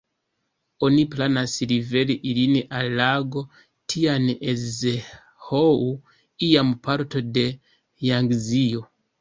Oni planas liveri ilin al lago Tian-e-Zhou, iama parto de Jangzio.